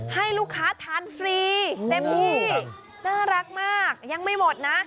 ให้ลูกค้าทานฟรีเต็มที่น่ารักมากยังไม่หมดนะ